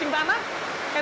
ini mah fix